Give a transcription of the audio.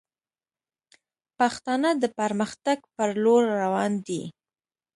پښتانه د پرمختګ پر لور روان دي